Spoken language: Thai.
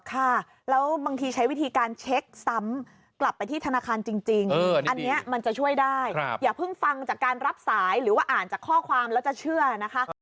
ค่ะแล้วบางทีใช้วิธีการเช็คซ้ำกลับไปที่ธนาคารจริง